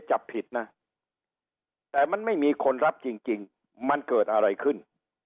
จับผิดนะแต่มันไม่มีคนรับจริงมันเกิดอะไรขึ้น